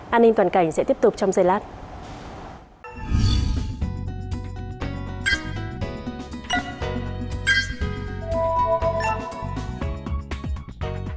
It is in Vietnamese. an ninh toàn cảnh sẽ tiếp tục trong giây lát